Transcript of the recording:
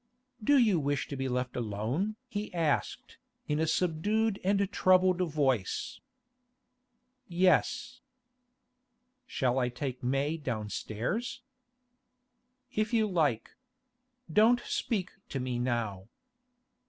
'Do you wish to be left alone?' he asked, in a subdued and troubled voice. 'Yes.' 'Shall I take May downstairs?' 'If you like. Don't speak to me now.